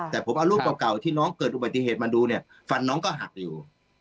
แต่ผมเอารูปเก่าที่น้องเกิดอุบัติเหตุมาดูเนี่ยฟันน้องก็หักอยู่